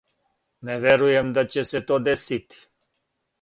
Не верујем да ће се то десити.